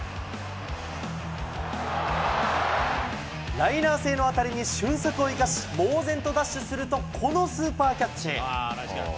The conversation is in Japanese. ライナー性の当たりに俊足を生かし、猛然とダッシュするとこのスーパーキャッチ。